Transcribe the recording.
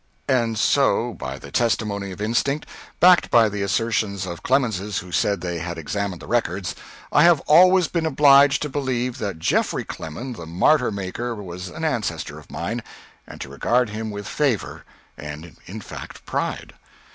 ... And so, by the testimony of instinct, backed by the assertions of Clemenses who said they had examined the records, I have always been obliged to believe that Geoffrey Clement the martyr maker was an ancestor of mine, and to regard him with favor, and in fact pride.